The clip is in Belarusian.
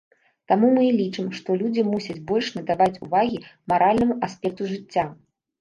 Таму мы і лічым, што людзі мусяць больш надаваць увагі маральнаму аспекту жыцця.